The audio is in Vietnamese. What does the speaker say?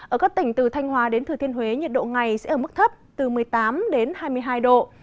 ở các tỉnh từ thanh hòa đến thừa thiên huế nhiệt độ ngày sẽ ở mức thấp từ một mươi tám đến hai mươi hai độ